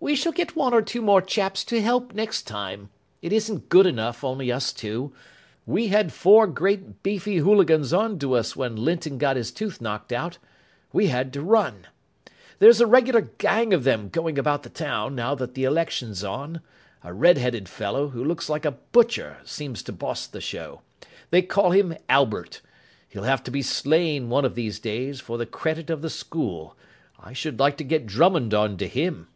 "We shall get one or two more chaps to help next time. It isn't good enough, only us two. We had four great beefy hooligans on to us when Linton got his tooth knocked out. We had to run. There's a regular gang of them going about the town, now that the election's on. A red headed fellow, who looks like a butcher, seems to boss the show. They call him Albert. He'll have to be slain one of these days, for the credit of the school. I should like to get Drummond on to him."